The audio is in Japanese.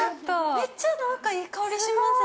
◆めっちゃなんか、いい香りしません？